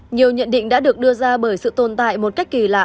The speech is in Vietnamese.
nhiều nhận định đã được đưa ra bởi sự tồn tại một cách kỳ lạ